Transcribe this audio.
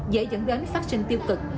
dễ dẫn đến phát sinh tiêu cực